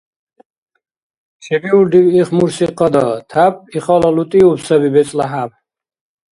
Чебиулрив их мурхьси къада? Тяп ихала лутӀиуб саби бецӀла хӀяб.